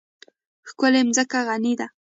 ښکلې مځکه غني ده.